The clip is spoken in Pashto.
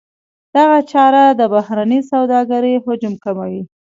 دغه چاره د بهرنۍ سوداګرۍ حجم کموي.